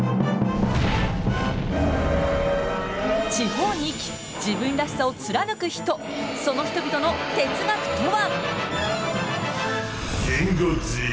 地方に生き、自分らしさを貫く人、その人々の哲学とは。